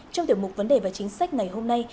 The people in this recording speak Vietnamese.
trong tiểu mục vấn đề và chính sách ngày hôm nay